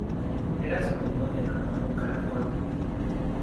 Era sobrino de Manolo Caracol.